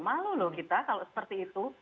malu loh kita kalau seperti itu